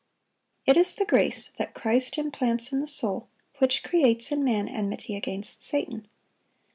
It is the grace that Christ implants in the soul which creates in man enmity against Satan.